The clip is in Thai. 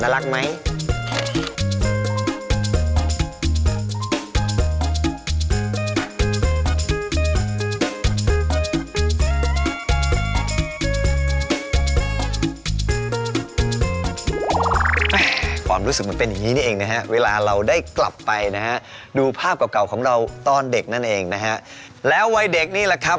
แล้ววัยเด็กนี่แหละครับ